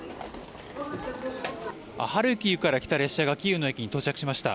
ハルキウから来た列車がキーウの駅に到着しました。